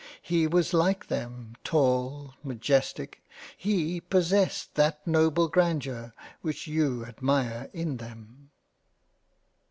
He was like them, tall, magestic — he possessed that noble grandeur which you admire in them."